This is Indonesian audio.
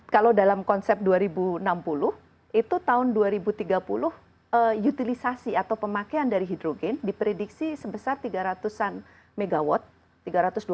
kalau dalam konsep dua ribu enam puluh itu tahun dua ribu tiga puluh utilisasi atau pemakaian dari hidrogen diprediksi sebesar tiga ratus an mw